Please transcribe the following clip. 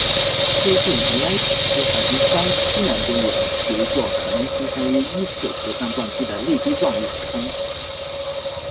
贴近尼埃普斯环形山西南边缘有一座可能形成于一次斜向撞击的泪滴状陨坑。